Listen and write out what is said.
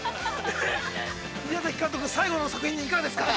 宮崎監督、最後の作品にいかがですか。